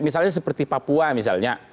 misalnya seperti papua misalnya